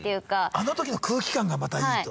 あの時の空気感がまたいいと。